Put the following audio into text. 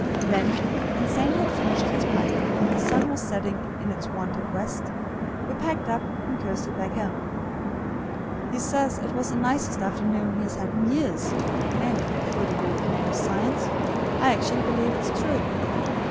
Then, when Sandy had finished his pipe and "the sun was setting in its wonted west," we packed up and coasted back home. He says it was the nicest afternoon he has had in years, and, poor deluded man of science, I actually believe it's true.